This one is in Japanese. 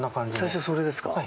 最初、それですか。